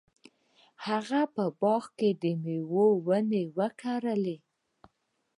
هغه په باغ کې د میوو ونې وکرلې.